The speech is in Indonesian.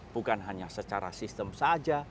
bukan hanya secara sistem saja